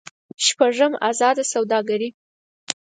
شپږم: ازاده سوداګري.